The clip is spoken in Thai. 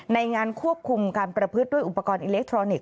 ในงานควบคุมการประพฤติด้วยอุปกรณ์อิเล็กทรอนิกส